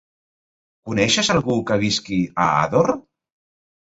Coneixes algú que visqui a Ador?